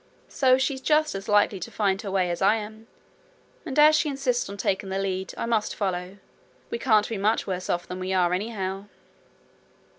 So she's just as likely to find her way as I am, and as she insists on taking the lead, I must follow. We can't be much worse off than we are, anyhow.'